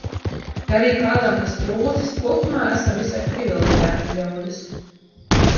Ja arī kādam kas trūcis, kopumā esam visai priviliģēti ļaudis.